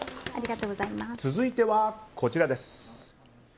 続いては、こちらです。